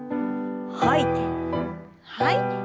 吐いて吐いて。